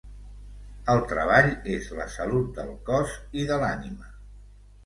El treball és la salut del cos i de l'ànima.